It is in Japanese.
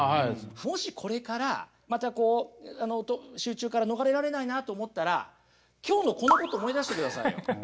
もしこれからまたこう集中から逃れられないなと思ったら今日のこのことを思い出してくださいよ。